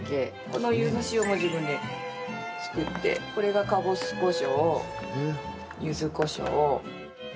このゆず塩も自分で作ってこれが、かぼすこしょうゆずこしょう。